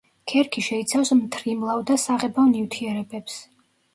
ქერქი შეიცავს მთრიმლავ და საღებავ ნივთიერებებს.